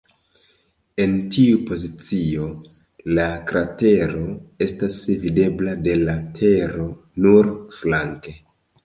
En tiu pozicio, la kratero estas videbla de la Tero nur flanke.